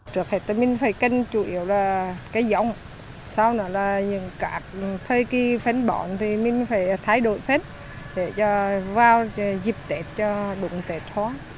thời kỳ phấn bọn thì mình phải thay đổi phép để vào dịp tết cho đúng tết hoa